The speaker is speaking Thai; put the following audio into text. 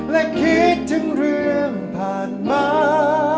และคิดถึงเรื่องผ่านมา